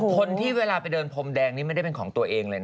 คนที่เวลาไปเดินพรมแดงนี่ไม่ได้เป็นของตัวเองเลยนะ